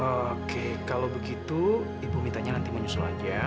oke kalau begitu ibu mitanya nanti menyusul